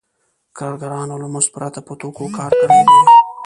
کارګرانو له مزد پرته په توکو کار کړی دی